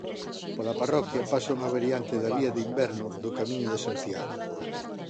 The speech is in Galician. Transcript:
Pola parroquia pasa unha variante da vía de inverno do Camiño de Santiago.